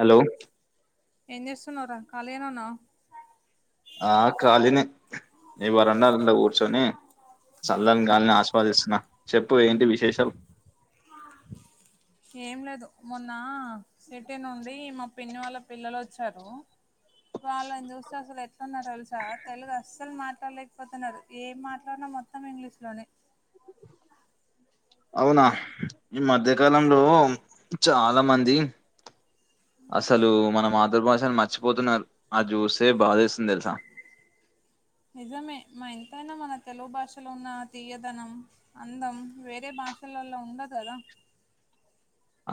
Hello ఏం చేస్తున్నావ్ రా ఖాళీగనే ఉన్నావా ఆ ఖాళీనే ఈ వరండాఅరుగు మీద కూర్చొని సల్లాన్ గాల్ని ఆస్వాదిస్తున్నా చెప్పు ఏంటి విశేషాలు ఏం లేదు మొన్న సిటీ నుండి మా పిన్ని వాళ్ళ పిల్లలు వచ్చారు వాళ్ళని చూస్తే అసలు ఎట్లాన్నారు తెలుసా తెలుగు అస్సలు మాట్లాడలేకపోతున్నారు ఏం మాట్లాడినా మొత్తం ఇంగ్లీష్ లోనే అవునా ఈ మధ్యకాలంలో చాలా మంది అసలు మన మాతృభాషని మర్చిపోతున్నారు అది చూస్తే బాధేస్తుంది తెలుసా నిజమే మా ఎంతైనా మన తెలుగు భాషలో ఉన్న తీయ్యదనం అందం వేరే భాష బాషలల్లో ఉండడు కదా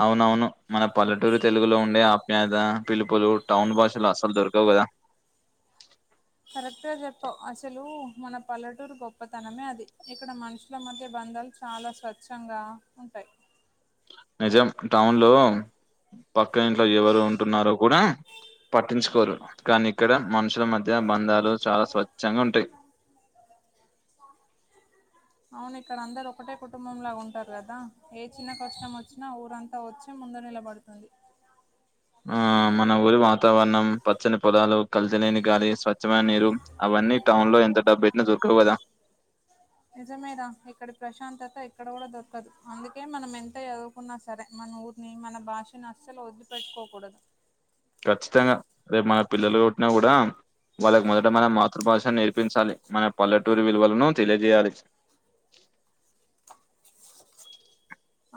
అవునవును మన పల్లటూరు తెలుగులో ఉండే ఆప్యాయత పిలుపులు టౌన్ భాషలో అసలు దొరకవు కదా కరెక్ట్ గా చెప్పవు అసలు మన పల్లెటూరు గొప్పతనమే అది ఇక్కడ మనుషుల మధ్య బన్డ్ దాలు చాలా స్వచ్ఛంగా ఉంటాయి నిజం టౌన్ లో పక్క ఇంట్లో ఎవరు ఉంటున్నారో కూడా పట్టించుకోరు కానీ ఇక్కడ మనుషుల మధ్య బంధాలు చాలా స్వచ్ఛంగా ఉంటాయి అవును ఇక్కడ అందరు ఒకటే కుటుంబం లాగా ఉంటారు కదా ఏ చిన్న కష్టం వచ్చినా ఊరంతా వచ్చి ముందు నిలబడుతారు ఆ మన ఊరి వాతావరణం పచ్చని పొలాలు కలితిలేని గాలి స్వచ్ఛమైన నీరు అవన్నీ ఈ టౌన్ లో ఎంత డబ్బు పెట్టినా దొరకవు కదా నిజమే రా ఇక్కడి ప్రశాంతత ఇక్కడ కూడా దొరకదు అందుకే మనం ఎంత చదువుకున్నా సరే మ మన ఊరిని మన భాషను అసలు వదిలిపెట్టుకోకూడదు ఖచ్చితంగా రేపు మన పిల్లలు పుట్టినా కూడా వాళ్ళకి మొదట మన మాతృభాష నేర్పించాలి మన పల్లెటూరు విలువలను తెలియజేయాలి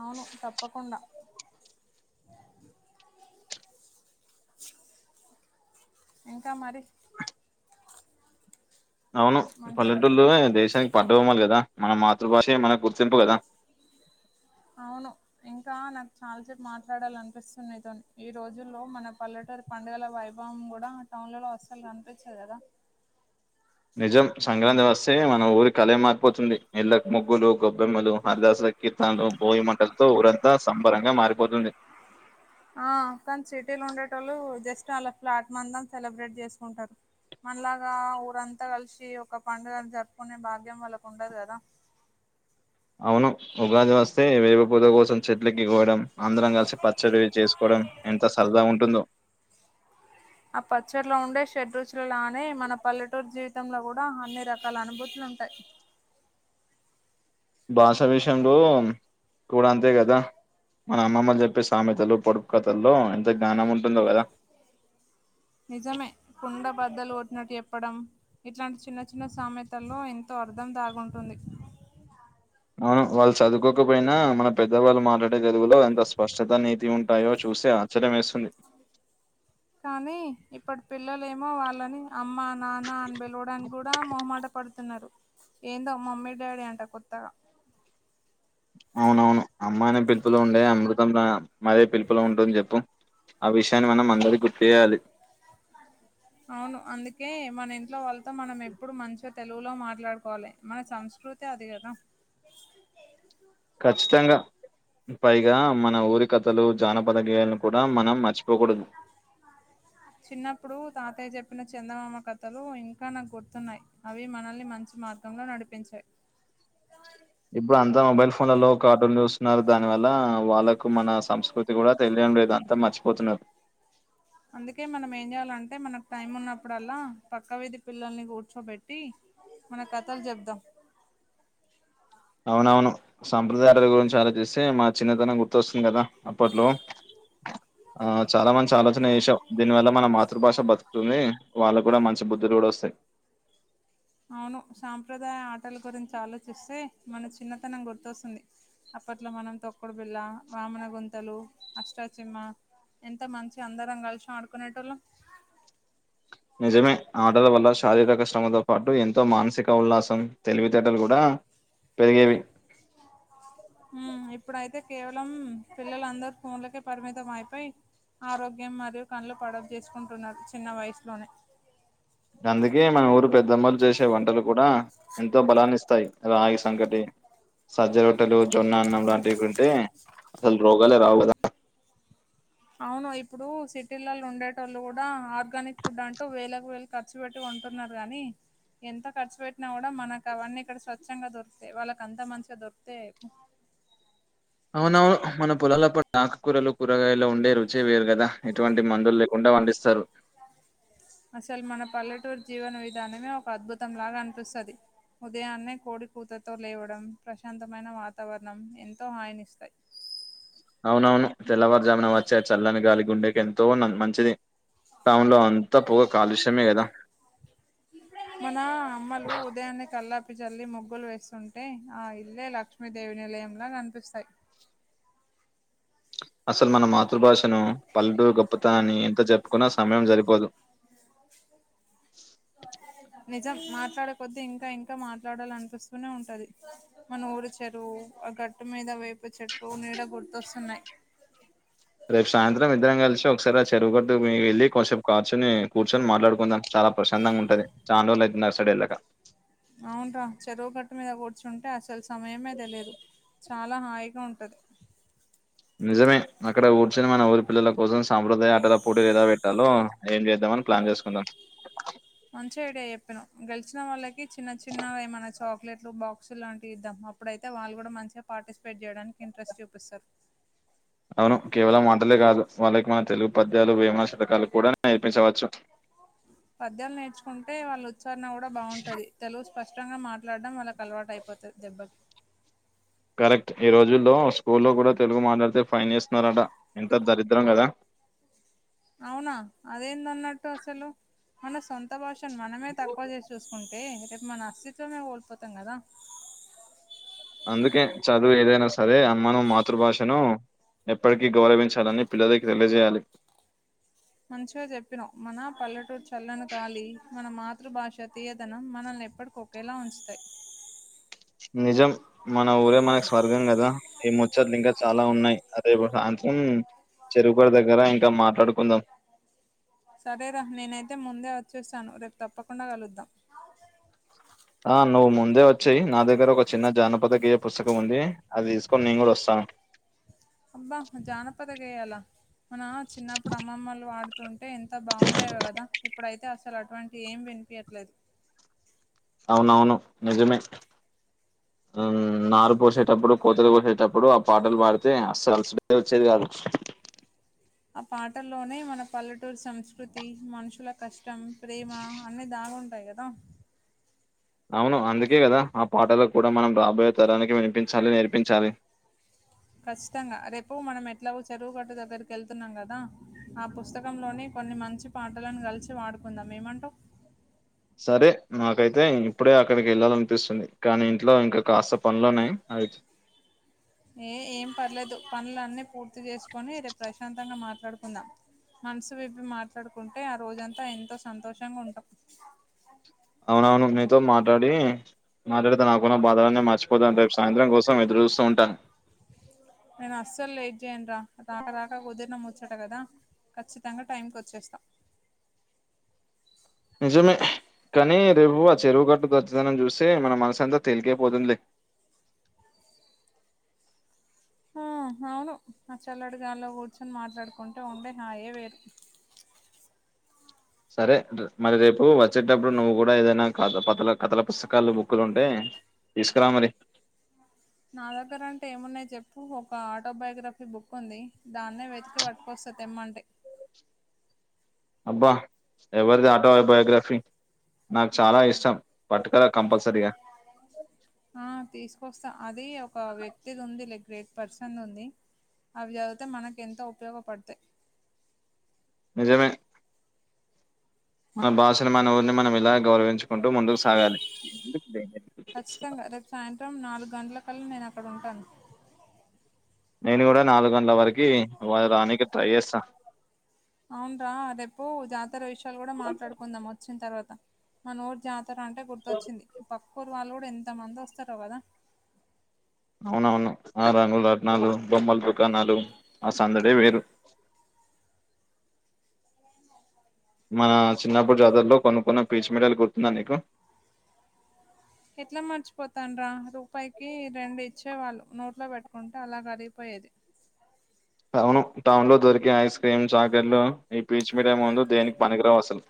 అవును తప్పకుండా ఇంకా మరి అవును మంచి పల్లెటూల్లోనే దేశానికి పట్టుకోమ్మలు కదా మన మాతృభాషే మనకు గుర్తింపు కదా అవును ఇంకా నాకు చాలాసేపు మాట్లాడాలనిపిస్తుంది నితోని ఈ రోజుల్లో మన పల్లెట్ పండుగల వైభవం కూడా టౌన్ ల లో అసల్ కనిపించదు కదా నిజం సంక్రాంతి వస్తే మన ఊరి కళ మారిపోతుంది ఇళ్ళలకు ముగ్గులు గబ్బెమ్మలు హరిదాసరా కీర్తనలు భోయి మంటలతో ఊరంతా సంబరంగా మారిపోతుంది ఆ తను సిటీలో ఉండేటళ్ళు జస్ట్ అళ్ళ ఫ్లాట్ మందం సెలబ్రేట్ చేసుకుంటారు మనలాగా ఊరంతా కలిసి ఒక పండుగను జరుపుకునే భాగ్యం వాళ్ళకు ఉండదు కదా అవును ఉగాది వస్తే వేప పూత కోసం చెట్లకి పోవడం అందరం కలిసి పచ్చడివి చేసుకోవడం ఎంత సరదా ఉంటుందో ఆ పచ్చట్లో ఉండే షెడ్రూచలనే మన పల్లెటూరు జీవితంల కూడా అన్ని రకాల అనుభూతు లుంటయి భాష విషయంలో కూడా అంతే కదా మన అమ్మమ్మలు చెప్పే సామెతలు పొడుపు కథల్లో ఎంత జ్ఞానం ఉంటుందో కదా నిజమే కుండబద్దలు కొట్టినట్టు చేప్పడం ఇట్లాంటి చిన్న చిన్న సమెతల్లో ఎంతో అర్ధం దాగుంటుంది అవును వాళ్ళు చదువుకోకపోయినా మన పెద్దవాళ్ళు మాట్లాడే తెలుగులో ఎంత స్పష్టత నీతి ఉంటాయో చూస్తె ఆశ్చర్యమేస్తుంది కానీ ఇప్పటి పిల్లలు ఏమో వాళ్ళని అమ్మ నాన్న అని పిలవడానికి కూడా మొహమాట పడుతున్నారు ఏందో మమ్మీ డాడీ అంట కొత్తగా అవునవును అమ్మానే పిలుపులో ఉండే అమృతం మరే పిలుపులో ఉంటుంది చెప్పు ఆ విషయాన్ని మనం అందరికి గుర్తు చేయాలి మ అవును అందుకే మన ఇంట్లో వాళ్ళతో మనం ఎప్పుడు మంచిగా తెలుగులో మాట్లాడుకోవాలి మన సంస్కృ ్రతి అది కదా ఖచ్చితంగా పైగా మన ఊరికథలు జానపదగేయాలను కూడా మనం మర్చిపోకూడదు చిన్నప్పుడు తాతయ్య చెప్పిన చందమామ కథలు ఇంకా నాకు గుర్తున్నాయి అవి మనల్ని మం మార్గంలో నడిపించాయి ఇప్పుడు అంతా మొబైల్ ఫోన్లలో కార్టూన్ చూస్తున్నారు దాని వల్ల వాళ్ళకు మన సంస్కృతి కూడా తెలియ టం లేదు అంతా మర్చిపోతున్నారు అందుకే మనం ఏం చేయాలంటే మనకు టైం ఉన్నప్పుడల్లా పక్క వీధి పిల్లల్ని కూర్చోబెట్టి మన కథలు చెప్ద అవునవును సాంప్రదాయాల గురించి ఆలోచిస్తే మా చిన్నతనం గుర్తొస్తుంది కదా అప్పట్లో ఆ చాలా మంచి ఆలోచన చేసావు దీనివల్ల మన మాతృభాష బతుకుతుంది వాళ్ళకు కూడా మంచి బుద్ధులు కూడా వస్తాయి అవును సాంప్రదాయ ఆటల గురించి ఆలోచిస్తే మన చిన్నతనం గుర్తొస్తుంది అప్పట్లో మనం తొక్కుడు బిల్ల వామన గుంతలు అష్టాచమ్మ ఎంత మంచిగ అందరం కలిసి ఆడుకునేటోళ్ళం నిజమే ఆటల వల్ల శారీరక శ్రమతో పాటు ఎంతో మానసిక ఉల్లాసం తెలివితేటలు కూడా పెరిగేవి హుమ్ ఇప్పుడైతే కేవలం పిల్లల అందరు ఫోన్లకే పరిమితం అయిపోయి ఆరోగ్యం మరియు కండ్లు కరాబ్ చేసుకుంటున్నారు చిన్న వయసులోనే అందుకే మన ఊరు పెద్దమ్మలు చేసే వంటలు కూడా ఎంతో బలాన్ని ఇస్తాయి రాగి సంకటి సజ్జ రొట్టెలు జొన్న అన్నం లాంటివింటే అసలు రోగాలే రావు కదా అవును ఇప్పుడు సిటీలలో ఉండేటోళ్ళు కూడా ఆర్గానిక్ ఫుడ్ అంటూ వేలకు వేలు ఖర్చు పెట్టు తున్నారు గాని ఎంత ఖర్చు పెట్టినా కూడా మనకు అవన్నీ ఇక్కడ స్వచ్ఛంగా దొరికుతాయి వాళ్ళకి అంత మంచిగా దొరికుతాయ ఆ మనం మన పొలాల ఆకుకూరలు కూరగాయలు ఉండే రుచి వేరు కదా ఎటువంటి మందులు లేకుండా పన్ స్తారు అసలు మన పల్లెటూరు జీవన విధానమే ఒక అద్భుతం లాగా అనిపిస్తది. ఉదయాన్నే కోడి కూతతో లేవడం ప్రశాంతమైన వాతావరణం ఎంతో హాయి నిస్తాయి. అవునవును తెల్లవారుజామున వచ్చే ఆ చల్లని గాలి గుండెకి ఎంతో మంచిది అవును ఆ మన అమ్మలు ఉదయాన్నే కల్లా ప్పి చల్లి ముగ్గులు వేస్తుంటే ఆ ఇల్లే లక్ష్మీదేవి నిలయంలా కనిపిస్తాయి అసలు మన మాతృభాషను పల్లెటూరు గొప్పతనన్న ఎంత చెప్పుకున్నా సమయం సరిపోదు నిజం మాట్లాడే కొద్ది ఇంకా ఇంకా మాట్లాడాలనిపిస్తూనే ఉంటది మన ఊరి చెరువు ఆ గట్టు మీద వేప చెట్టు నీడ గుర్తొస్తున్నాయి. రేపు సాయంత్రం ఇద్దరం కలిసి ఒక ఒకసారి ఆ చెరువు గట్టు మీ వెళ్ళి కొసేపు కాచోని కూర్చొని మాట్లాడుకుందాం చాలా ప్రశాంతంగా ఉంటది చానా రోజు అటు సైడ్ వెళ్ళాక అవున్రా చెరువు గట్టు మీద కూర్చుంటే అసలు సమయమే తెలిదు చాలా హాయిగా ఉంటది నిజమే అక్కడ కూర్చొని మన ఊరి పిల్లల కోసం సాంప్రదాయ ఆటల పోటీలు ఏలా పెట్టాలో ఏం చేద్దాం ప్లాన్ చేసుకుందాము [inaudible] ఐడియా చెప్పినవ్ గెలిచిన వాళ్ళకి చిన్న చిన్నగా ఏమనా చా చాకలెట్లు బాక్స్ లాంటివి ఇద్దాం అప్పుడైతే వాళ్ళు కూడా మంచిగా పార్టిసిపేట్ చేయడానికి ఇంట్రెస్ట్ చూపిస్తారు [inaudible] కేవలం ఆటలే కాదు వాళ్ళకి మన తెలుగు పద్యాలు వేమన శతకాలు కూడా నేర్పించవచ్చు. పద్యాలు నేర్చుకుంటే వాళ్ళ ఉచ్చారణ కూడా బాగుంటది తెలు స్పష్టంగా మాట్లాడడం వాళ్ళకి అలవాటు అయిపోతది దెబ్బకి కరెక్ట్ ఈ రోజుల్లో స్కూల్లో కూడా తెలుగు మాట్లాడితే ఫైన్ వేస్తున్నారట ఎంత దరిద్రం కదా అవునా అదేందన్నట్టు అసలు మన సొంత భాష మనమే తక్కువ చేసి చూసుకుంటే రేపు మన అస్తిత్వమే కోల్పోతాం కదా అందుకే చదువు ఏదైనా సరే అనుమాన మాతృభాషను ఎప్పటికీ గౌరవించాలని పిల్లలకి తెలియజేయాలి మంచిగా చెప్పినవు మన పల్లెటూరు చల్లని గాలి మన మాతృభాష తీయదనం మనల్ని ఎప్పటికి ఒకేలా ఉంచుతాయి నిజం మన ఊరే మనకు స్వర్గం కదా ఈ ముచ్చట్లు ఇంకా చాలా ఉన్నాయి అదే ఉమ్ చెరువు కట్ట దగ్గర ఇంకా మాట్లాడుకుందాం సరేరా నేనైతే ముందే వచ్చేస్తాను రేపు తప్పకుండా కలుద్దాం ఆ నువ్వు ముందే వచ్చాయి నా దగ్గర ఒక చిన్న జానపదగేయ పుస్తకం ఉంది అది తీసుకొని నేను కూడా వస్తాను. అబ్బా జానపద గేయాలా మన చిన్నప్పుడు అమ్మమ్మలు వాడు తుంటే ఎంత బాగుండేవి కదా ఇప్పుడైతే అసలు అటువంటి ఏం వినిపియట్లేదు. అవునవును నిజమే [inaudible] ఉమ్ నారు పోసేటప్పుడు కోతలు కోసేటప్పుడు ఆ పాటలు పాడితే అస్సలు అలసటే వచ్చేది కాదు. ఆ పాటల్లోనే మన పల్లెటూరు సంస్కృతి మనుషుల కష్ ఇష్టం ప్రేమ అన్నీ దాగుంటాయి కదా అవును అందుకే కదా ఆ పాటలకు కూడా మనం రాబోయే తరానికి వినిపించాలి నేర్పించాలి. [inaudible] కచ్చితంగా రేపు మనం ఎట్లాగో చెరువుగట్టు దగ్గరికి వెళ్తున్నాం కదా ఆ పుస్తకంలోనే కొన్ని మంచి పాటలను కలిసి వాడుకుందాం ఏమంటావ్. సరే నాకైతే ఇప్పుడే అక్కడికి వెళ్ళాలనిపిస్తుంది కానీ ఇంట్లో ఇంకా కాస్త పనులున్నాయి, అయితే యే ఏం పర్లేదు పనులన్నీ పూర్తి చేసుకొని రేపు ప్రశాంతంగా మాట్ మాట్లాడుకుందాం మనసు విప్పి మాట్లాడుకుంటే ఆ రోజంతా ఎంతో సంతోషంగా ఉంటాం. అవునవును మీతో మాట్లాడి మాట్లాడితే నాకున్న బాధన్నే మర్చిపోతా, రేపు సాయంత్రం కోసం ఎదురు చూస్తూ ఉంటాం నేను అస్సలు లేట్ చేయనురా రాక రాక కుదిరినా ముచ్చాట కదా. ఖచ్చితంగా టైమ్కి వచ్చేస్తా నిజమే కానీ రేపు ఆ చెరువు గట్టు పచ్చతనం చూస్తే మన మనసు అంతా తేలికైపోతుందిలే. [inaudible] హు హావ్ ఆ చెల్లటి గాల్లో కూర్చొని మాట్లాడుకుంటే ఉండే హాయే వేరు. సరే ర్ మరి రేపు వచ్చేటప్పుడు నువ్వు కూడా ఏదైనా కథ పత కథల పుస్తకాలు బుక్కులు ఉంటే తీసుకురా మరి [inaudible] నా దగ్గర అంటే ఏమున్నాయి చెప్పు ఒక ఆటో బయోగ్రఫీ బుక్ ఉంది దాన్నే వెతికి పట్టుకోస్త్ స్త తెమ్మంటే [inaudible] అబ్బా ఎవరిది ఆటో బయోగ్రఫీ నాకు చాలా ఇష్టం. పట్టుకరా కంపల్సరీగా. ఆ తీసుకొస్తా అది ఒక వ్యక్తిది ఉందిలే గ్రేట్ పర్సన్ ఉంది అవి చదితే మనకి ఎంతో ఉపయోగపడతాయి. ఏమే మన బాషను మన ఊరిని మనం ఇలా గౌరవించుకుంటూ ముందుకు సాగాలి. ఖచ్చితంగా రేపు సాయంత్రం నాలుగు గంటల కల్లా నేను అక్కడ ఉంటాను. నేను కూడా నాలుగు గంటల వరికి రావడానికి ట్రై చేస్తా. అవున్రా రేపు జాతర విషయాలు కూడా మాట్లాడుకుందాం వచ్చిన తర్వాత, మన ఊరు జాతర జాతర అంటే గుర్తొచ్చింది పక్కురు వాళ్ళు కూడా ఎంత మంది వస్తారు కదా. అవునవును ఆ రంగుల రట్నాలు బొమ్మల దుకాణాలు ఆ సందడే వేరు. [inaudible] మన చిన్నపప్పుడు జాతర్లో కొనుకున్న పీచ్ మీడియాలు గుర్తున్నా నీకు. ఎట్లా మర్చిపోతానురా రూపాయికి రెండు ఇచ్చేవాళ్ళు నోట్లో పెట్టుకుంటే అలా కరిగిపోయే ది అవును టౌన్లో దొరికే ఐస్ క్రీమ్స్ చాక్లెట్లు ఈ పీచ్ మిఠాయ్ ముందు దేనికి పనికిరావు అసలు.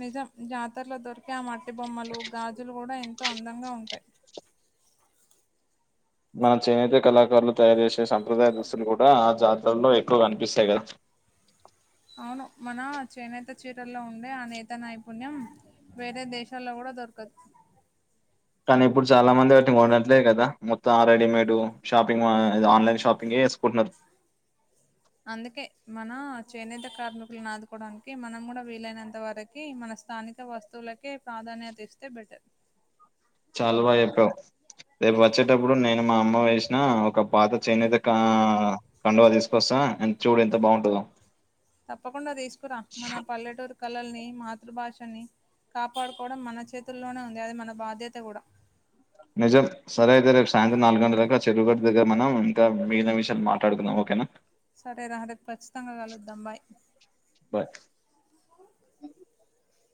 నిజం జాతరలో దొరికే ఆ మట్టి బొమ్మలు గాజులు కూడా ఎంతో అందంగా ఉంటాయి మన చేనేత కళాకారులు తయారు చేసే సంప్రదాయ దుస్తులు కూడా ఆ జాతరలో ఎక్కువ కనిపిస్తాయి కదా అ అవును మన చేనేత చీరల్లో ఉండే ఆ నేత నైపుణ్యం వేరే దేశాల్లో కూడా దొరకదు [inaudible] కానీ ఇప్పుడు చాలా మంది వాటిని కొనట్లే కదా మొత్తం రెడీమేడ్ షాపింగ్ ఆన్లైన్ షాపింగ్ చేసుకుంటారు అవునా [inaudible] అందుకే మన చేనేత కార్మికులను ఆదుకోవడానికి మనం కూడా వీలైనంత వరకి మన స్థానిక వస్తువులకే ప్రాధాన్యత ఇస్తే బెటర్ చాలా బాగా చెప్పావ్ రేపు వచ్చేటప్పుడు నేను మా అమ్మ వేసిన ఒక పాత చేనేత కా కండువా తీసుకొస్తాను అ చూడు ఎంత బాగుంటందో తప్పకుండా తీసుకురా మన పల్లెటూరు కళల్ని మాతృభాషని కాపాడుకోవడం మన చేతుల్లోనే ఉంది అది మన బాధ్యత కూడా నిజం సరే అయితే రేపు సాయంత్రం నాలుగు గంటలకా చెరువుగడు దగ్గర మనం ఇంకా మిగిలిన విషయాలు మాట్లాడుకుందాం ఓకేనా సరే రా రేపు ఖచ్చితంగా కలుద్దాం బాయ్ బాయ్